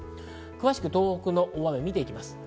詳しく東北の大雨を見ていきます。